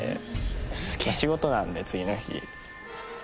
仕事なんで次の日。